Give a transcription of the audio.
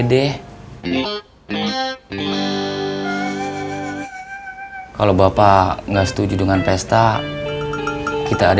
yang penting orang orang harus tau sobri udah menikah sama dede